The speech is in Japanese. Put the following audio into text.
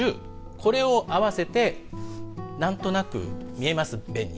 これを合わせて何となく見えます、弁に。